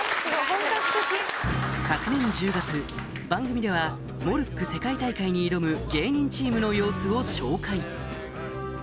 昨年１０月番組ではモルック世界大会に挑む芸人チームの様子を紹介